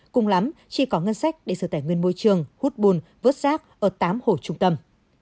cùng lắm chỉ có ngân sách để sở tài nguyên môi trường hút bùn vớt rác ở tám hồ trung tâm